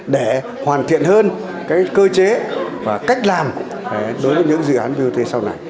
để hoàn thiện hơn cơ chế và cách làm đối với những dự án bot sau này